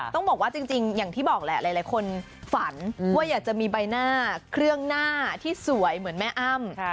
ต้องบอกว่าจริงอย่างที่บอกแหละหลายคนฝันว่าอยากจะมีใบหน้าเครื่องหน้าที่สวยเหมือนแม่อ้ำ